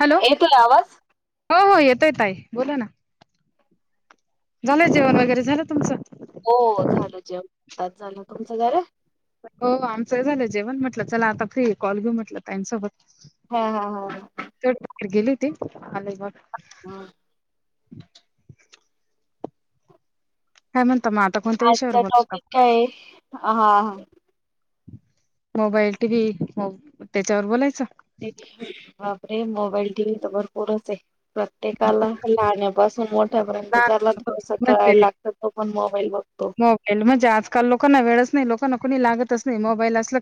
Hello येतोय आवाज? हो हो येत येतोय ताई बोला ना. झालंय जेवण वगैरे झालं तुमचं. हो झाल जेवण आत्ताच झाल तुमच झाल. म्हटल चला आता फ्रीये कॉल घेऊ म्हटल ताईंन सोबत. हा, हा, हा, हा ‌. गेली होती. आले बघ. हा. काय म्हण आजचा टॉपिक काय ये. मोबाईल, टी व्ही त्याच्यावर बोलायच. बापरे मोबाईल टी वी तर भरपूरचे. प्रत्येकाला लहान्या पासूनत [unintelligible] तोपर्यंत ज्याला जसं कळाय म्हणजे लागतं तो पण मोब बाई‌ गं. मोबाईल म्हणजे आजकाल लोकांना वेळच नाही ये लोकांना कोणी लागतच नाही मोबाईल असल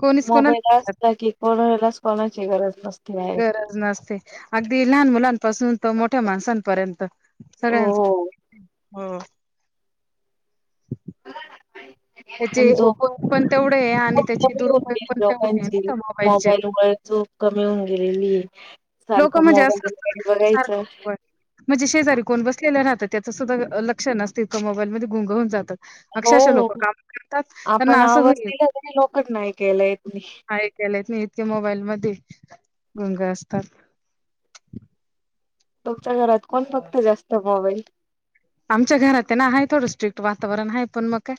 कोणीच मोबाईल कोणाला असला की कोणालाच कोणाची गरज नसते डायरेक्ट. गरज नसते अगदी लहान मुलांपासून तो मोठ्या माणसांन पर्यंत, हो. सगळ्यांच हो हो. त्याचे [unintelligible] जो उपयोग पण तेवढे आहे आणि खूप त्याचे कमी दुरुपयोग होते पण तेवढे आहे ना लोकांची त्या मोबाईलचे. मोबाईलमुळे झोप कमी होऊन गेलेली ये लोक म्हणजे अस स [unintelligible] सारखं म्हणजे शेजारी कोण बसलेलं राहत त त्याचं सुद्धा अ लक्षण असते तो मोबाईलमध्ये गुंग होउन जात हो हो आपण असं आवाज होईल दीला होता ना तरी लोकांना मोबाईल मध्ये गुंग अस तात तुमच्या घरात कोण बगत कोण जास्त मोबाईल आमच्या घरात येना आहे थोडं स्ट्रिक्ट वातावरण आहे पण मग काय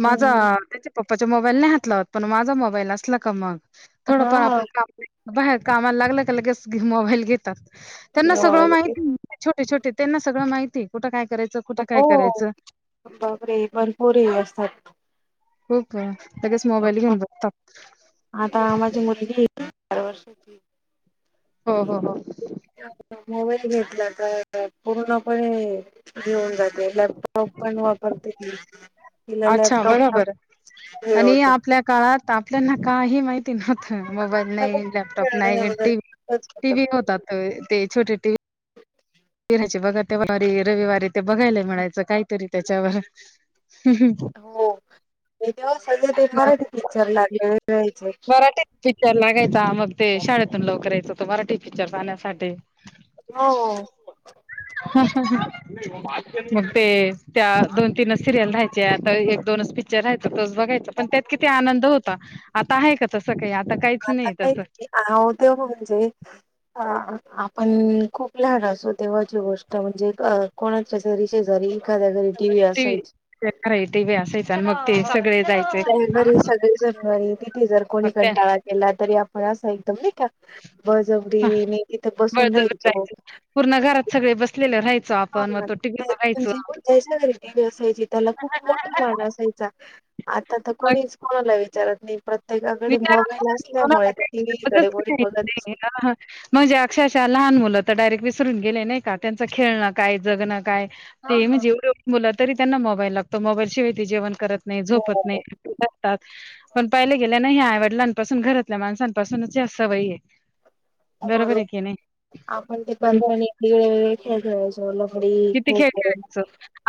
माझा त्या पप्पाच्या मोबाईल नाही हात लावत पण माझा मोबाईल असला का मग हा थोडंफार [unintelligible] काम. बाहेर कामाला लागलं का लगेच मोबाईल घेतात त्यांना सगळं मोबाईल माहिती छो ते छोटे त्यांना सगळं माहिती कुठ काय करायचं कुठं काय हो करायचं. बापरे! भरपूर हे असतात हो का. लगेच मोबाईल घेऊन बघतात आता माझी मुलगी चार वर्षाची हो हो हो मोबाईल घेतला तर अ पूर्णपणे घेऊन जाते लॅपटॉप पण वापरते ती तिला अच्छा लॅपटॉप बरोबर. आणि आपल्या काळात आपल्याना काही माहित थ मोबाईल नाही, लॅपटॉप खेळण्या नाही, वगैरे टी होतं. टीव्ही नव्हता, ते छोटे टीव्ही हिराची बघा त्यावारी रविवारी ते बघायला मिळायचं काहीतरी त्याच्यावर. हो ते तेव्हा ते सगळे मराठी पिकच्चर लागले जायच [unintelligible] क्चर लागायचा मग ते शाळेतून लवकर येयचो तो मराठी पिक्चर पाहण्यासाठी हो. हम्म हम्म हं मग ते त्या दोन तीनच सिरियल राहायचा तर एक दोनच पिक्चर राहायच तोच बघायच पण त्यात किती आनंद हो. [unintelligible] आता आहेका तसं काही आ आता काहीच नाही अ आ मं तेंव्हा म्हणजे अ आ. आपण खूप लहान असो तेव्हाची गोष्ट म्हणजे क कोणाच्यातरी शेजारी एखाद्या घरी टीव्ही असायची. ट व अस यच मग ते [unintelligible] त्या मग सगळे. हारी ते त जर कोणी त्या कंटाळा केला तरी आपण असा एकदम नाही का बजवडी म तिथे बसून बळजबरी राहायचो. जायचं पूर्ण घरात सगळे बसलेले राहायचो हा आपण मग तो टीव्ही म्हणजे बघायचो त्याच्या घरी टी व्ही असायची त्याला खूप मोठ माण असायचा आता तर कोणीच कोणाला विचाराय. [unintelligible] विचारणा टीव्हीकडे कोणी बघतच नाही. म्हणजे अक्षरशः लहान मुला आता डायरेक्ट विसरून गेले नाही का त्यांच खेळणं काय जगणं काय. हा ते मी हा. जेवढ येऊ बोला. तरी त्यांना मोबाईल लागतो मोबाईलचीिहिती जेवण करत. नाही हो झोपत नाही पणहि नाही ह आहे वडिलांपासून घरातल्या माणसांपासूनच सवय आहे. बरोबर आहे की नाही आपण ते हो, पपणडे व खेळ खयचो लफडी किती खेळ खप खेळायचो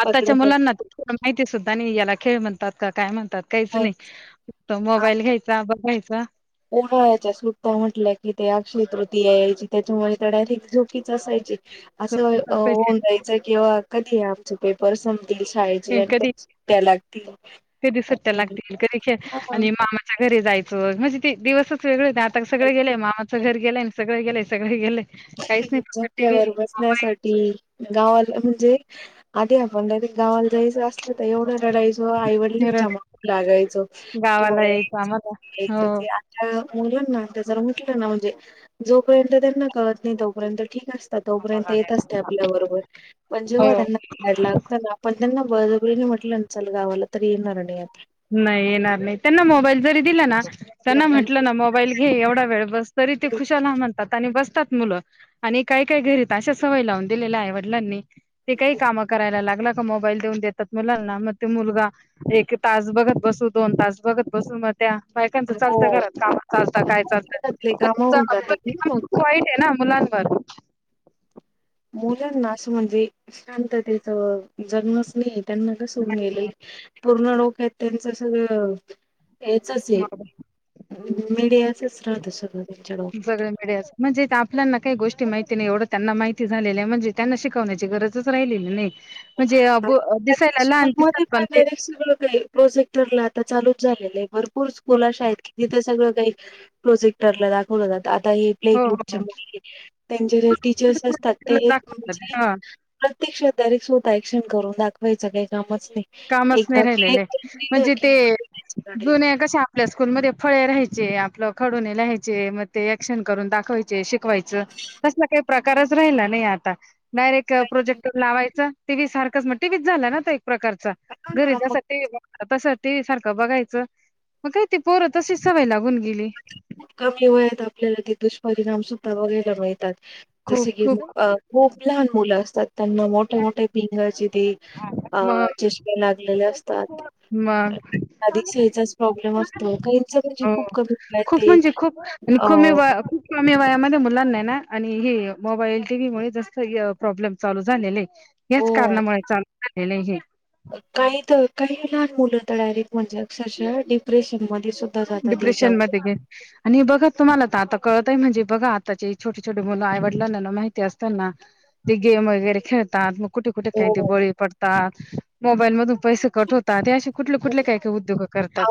आताच्या पकड. मुलांना तर थोडं माहिती सुद्धा नाही याला खेळ म्हणतात काय म्हणत. काहीच नाही मग मोबाईल घ्यायचा बघ. [inaudible] ओड्हाळ्याच्या सुट्टा म्हटल्या कि ते अक्षय तृती यायची त्याच्यामुळे तर डायरेक्ट झोकीच असायची. असं झोपायचं, होऊन जायचं किंवा कधी आहे आमचे पेपरस शाळेचे आणि कधी त्या लागतील कधी सुट्ट्या आणि लागतील, कधी खेळ आणि मामाच्या घरी म्हणजे ते दिवसच वेगळळे ना आता सगं गेलंय मामाचं घरेय सगं गेलंय सगं गेलंय. झोक्यावर बसण्यासाठी गावाला म्हणजे आधी आपणला गावाला जायचं अस आता एवढं रढायचो आईवडलां फिरत जमाून लागायचो कि गावाला यायचं आम्हाला. मलायच हो. आता मुलांना त्या जरा म्हटलं ना म्हणजे जो पयंत त्यांना कळत नाही तोपर्यंत ठीक असते तोपर्यंत येतचते आपल्या बरोबर पण जेव्हा हो. त्यांनायर लागत ना आपण त्यांना बबरीने म्हटलं अ्सल कावालाल तरी येणारन नाही येणार नाही त्यांना मोबाईल जरी दिला ना त्यांना म्हटलं ना मोबाईल घे एवढा वेळ बस तरी ते खुशाला म्हणतात आणि बस मुलं आणि काय काय घरीत अशा सवयी लावून दिलेल्या आहे वडलांनी ते काही काम करायला लागलं मोबाईल देऊन देतात मुलांना मग ते मुलगा एक तास बघत बसू दोन तास बघत बसू मग त्या बायकांच हो चालतंात काम चालत काय घरातले चालतंप काम होऊन जातात ना मग वाईट आहे ना मुलां ब मुलांना असं म्हणजे शांततेच जन्मच नाही त्यांना कसरेले पूर्ण का त्यांचं सगळं हेचच आहे मीडियाचेच राहत त्यांच्या डक आपल्यांना काही गोष्टी माहिती नाही एवढं त्यांना माहिती झालेल्या आहे म्हणजे त्यांना शिकवण्याची गरजच राहिली नाही म्हणजे अ ब त्या दिसायला लहान दिसतात स्कूलमध्ये का पण ते बर सगळं काही प्रोजेक्टर ला चालूच झाले ू हो स्कूलशा आहेत कि तिथं सगळं काही प्रोजेक्टरला दाखवलं जात आता हे प्ले हो ग्रुपच्या हो मु त्यांचे जे टीचर्स असतात ते दाखवतात आचे हा प्रत्यक्षात दर क्शन करून दाखवायचं काही काम कामच नाही राहिलेले म्हणजे ते की त्याच्याकडे जुन्या कश आपल्या स्कूलमध्ये फळे राहायचे आपलं खडून लहायचे मग ते क्शन करून दाखवायचे शिकवायचं तसला काही प्रकारच राहिला नाही आता डारेट काहीच प्रोजेक्ट लावायच टीव्ही सारखच मग टी व्च झा ना तर एक प्रकार हा ना मग गरजसाठी त ते सारखं बघायचं मग काय ते पोरं तशीच सवय लागून गेली. खूप कमी वयात आपल्याला त दुष् परिणाम सुद्धा वगैरेर वैताग खूप जसे की खूप अं खूप लहान मुलं असतात. त्यांना मोठे मोठे पिंगाचे तेे अं मग चिश्के लागलेले अस [inaudible] मग अधिक साहिचाच प्रॉब्लेम असतो. काहीच म्हणजे हो खूप कमी खूप ते म्हणजे खूप अ, कमी व खूप कमी वयामध्ये मुलांना ना आणि हे मोबाईल टी व्ही मुळेच जास्त य प्रॉब्लेम चालू झालेलेय. याच हो. कारणामुळे चाल एलर्जी काही त काही लहान मुलं तर डायरेक्ट म्हणजे अक्षरशा डिप्रेश डिप्रेशन मध्येे गे आणि बघा तुम्हाला तर आता कळत ते म्हणजे बघा आताचे छोटे छोटे मुलं आईवडलांना न माहिती असताना ते गेम वगैरे खेळतात. मग कुठे कुठे काही ते हो. बळी पडतात. मोबाईल मधून पैसे कट होतात. हे अशे कुठले कुठले काय काय उद्योग करतात?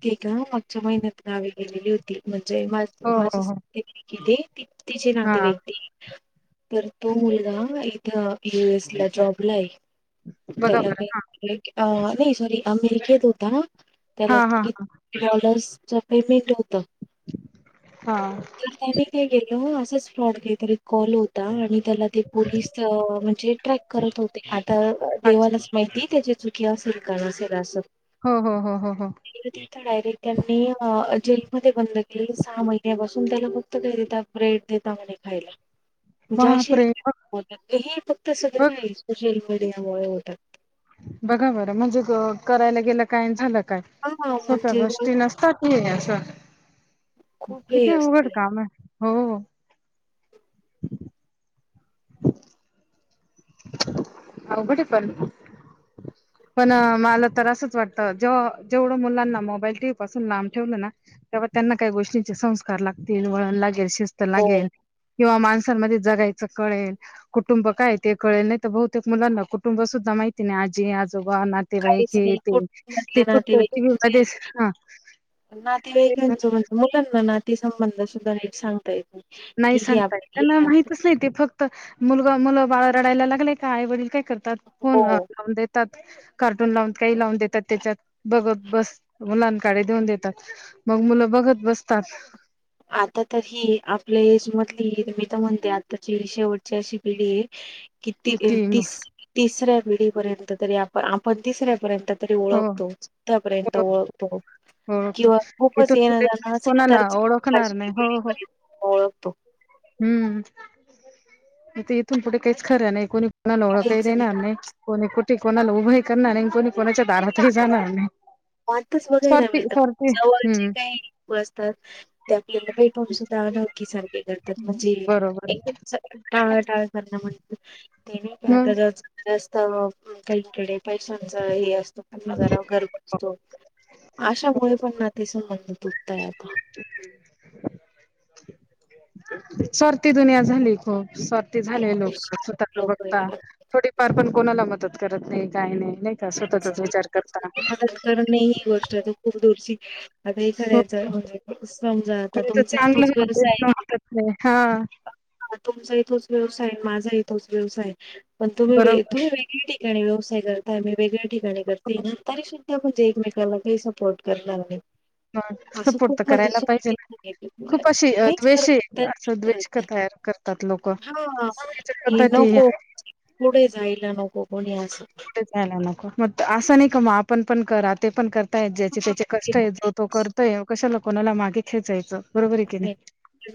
ते तर हाव मागच्या महिन्यात नावे गेलेली होती. जय माझ हो माझ हो हो [unintelligible] किती? तिची नव्हती हा वेक्ती तर तो मुलगा इथं युएस ला जॉबला आहे. बघा बरं त्या [inaudible] अं [unintelligible] अमेरिकेत होता ना? हा त्याला हा हा हा किती डॉलर्स? सफेद मीट होत. हा. [unintelligible] काय गेल हो अस [unintelligible] फ्रॉड काय तरी एक कॉल होता आणि त्याला ते पोलीस अं म्हणजे ट्रॅक करत होते आता अच्छा देवालाच माहिती त्याचे हो हो हो हो हो [unintelligible] [unintelligible] डायरेक्ट त्यांनी अं अ जेलमध्येध्ये बंद केले सा बसून त्याला खुपत काय रे? त्या ब्रेड देता म्हणे खायला. ज्या शे बापरे बघ [unintelligible] फक्त सगळ बघ काय सोशल वर्क तर यामुळे होतात. बघा बरं म्हणजे करायला गेलं काय आणि झालं काय. हा सोप्या म्हणजे गोष्टी नसतात नाही असं खूप हे किती अवघड असतं. काम आहे. हो. अवघड आहे पण. पण मला तर असंच वाटत जेव्हा जेवढं मुलांना मोबाईल टीव्ही पासून लांब ठेवलं ना तेव्हा त्यांना काही गोष्टींचे संस्कार लागतील, वळण लागेल शिस्त हो लागेल. किंवा माणसांमध्ये जगायचं कळेल, कुटुंब काय ते कळेल. नाही तर बहुतेक मुलांना कुटुंब सुद्धा माहिती नाही. आजी आज थोडा, नातेवाईक काहीच हे नाही ते कुठ ते म्हटले फक्त नातेवाईक म्हणजे टीव्हीमध्येच हं [unintelligible] ती संबंध सुद्धा नीट सांग नाही सांगता येत त्यांना माहितच नाही. ते फक्त मुलगा मुलं बाळ रडायला लागले का, आई वडील काय करताात फोन हो. लावून देतात कार्टून लावून काही लावून देतात त्याच्यात बघत बस. मुलांकाडे देऊन देतात, मग मुलं बघत बसतात. आता तर ही आपल्या एज मधली मी तर म्हणते आताची शेवटची अशी पिढी आहे कि ती किती मग तिस तिसऱ्या पिढीपर्यंत तरी आप आपण तिसऱ्यापर्यंत तरी हो, ओळखतोच तिथं पर्यंत ओळख ओळखतो ओळखतो. किंवा खूपच इथून येणं पुढे जाणं कोणीच असेल कोणाला तरच ओळखणार नाही. [unintelligible] ओळख तो हम्म. आता इथून पुढे काहीच खर नाही. कोणी कोणाला ओळखही देणार नाही. कोणी कुठे कोणाला उभही करणार नाही. कोणी कोणाच्या दारातही [unintelligible] जाणार नाही. माणसंच बघायला स्वार्थी मिळत स्वार्थी जवळचे हं. काही असतात ते आपल्याला भेटून सुद्धा आलं नोळखी सारखं हे करतात म्हणजे बरोबर आहे. एकदम टाळ टाळ करणं म्हणजे ते नाही मग का तर काहीकडे पैशांच हे त्यांना जरा गर्व असतो. अशामुळे पण ना ते संबंध तुटताय आता. स्वार्थी दुनिया झालीय खुप. स्वार्थी झाले लोक. स्वतःकडे लोक बघता थोडीफार पण कोणाला मदत करत नाही, काही नाही. नाही का स्वतःचाच विचार करता मदत करणे ही गोष्ट आहे तर खूर दूरची आता हे हो करायचं म्हणजे समजा आता कोणाच तुमचाही तोच चांगलं व्यवसाय, वाटत नाही हा तुमचाही तोच व्यवसाय माझा य तो व्यवसाय. पण तुम्ही व बरोबर तुम्ही वेगळी. िक व्यवसाय करते. मी वेगळ्या ठिकाणी करते ना तरी सुद्धा म्हणजे एकमेकाला काही सपोर्ट करणार नाही. असं सपोर्ट खूप तर म्हणजे करायला पाहिजे ना चुकीचे खूप अशी द्वेष असं द्वेष तयार करतात लोक हा पद्धती नको पुढे जायला नको. कोणी अस. नाही न मग असं नाही का मग आपण पण करा ते पण कर. ज्या हां, त्याचे ते कष्ट आहे जो पण तो करतोय कशा. कोणाला मागे खेचायचं. बरोबर आहे की नाही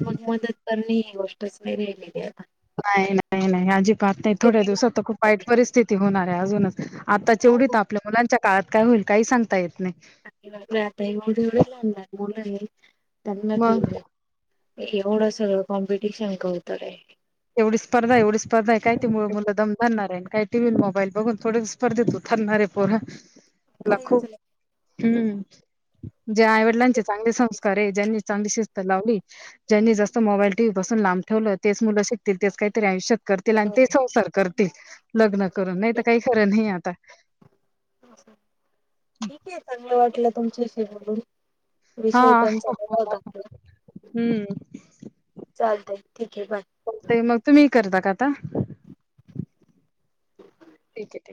मग मदत करणे ह गोष्टच वरे [unintelligible] नाई नाई नाई अजीबात नाई थोड्या तुम्ही दिवसात तर खूप वाईट परिस्थिती होणार. अजूनच. आताच हो एवढी त हो आपल्या मुलांच्या काळात काय होईल काही सांगता येत नाही. [unintelligible] [unintelligible] त्यांना त येवू मग द्या. एवढं सगळं कॉम्पिटिशन [unintelligible] होत काय? एवढी स्पर्धा, एवढी स्पर्धा आहे काय ते मुल- मुलं दम धरणार आहे. काय टी व्ही अन मोबाईल बघून थोडच स्पर्धेत उतरणार आहे पोरं. [unintelligible] हम्म. ज्या आईवडिलांचे चांगले संस्कार आहे ज्यांनी चांगली शिस्त लावली, ज्यांनी जास्त मोबाईल टी व्ही पासून लांब ठेवलं तेच मुल [unintelligible] काही तरी आयुष्यात करतील अन ते संसार कर [inaudible] लग्नं करन नाही त काही खरं नाही आ [unintelligible] ठीक आहे चांगलं वाटलं तुमच्याशी बोलून. हा विषय पण चांगला होता आपला हम्म चालतय ठीक आहे बाय. [inaudible] मग तुम्ही करता का आता ठीक आहे ठीक.